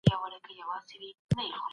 لکه يو څوک چي يو جنس يوه جماعت ته هبه کړي.